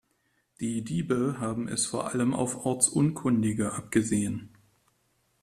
Die Diebe haben es vor allem auf Ortsunkundige abgesehen.